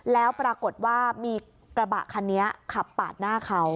แล้วปรากฏว่ามีกระบะคันนี้ขับปาดหน้าเขา